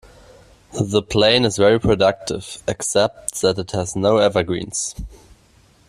The plain is very productive, except that it has no evergreens.